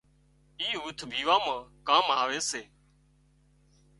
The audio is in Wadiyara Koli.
اِي هوٿ ويوان مان ڪام آوي سي